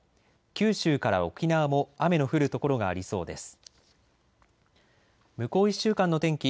九州から沖縄も雨の降る所がありそうです。